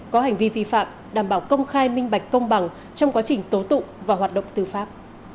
có hành vi vi phạm đảm bảo công khai minh bạch công bằng trong quá trình tố tụng và hoạt động tư pháp